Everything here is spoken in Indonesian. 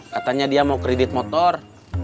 katanya dia mau kredit motor